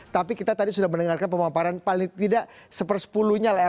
tapi kita tadi sudah mendengarkan pemamparan paling tidak seperspulunya lah